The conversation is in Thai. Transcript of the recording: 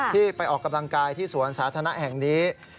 ที่ไปออกกำลังกายที่สวนสาธารณะแห่งนี้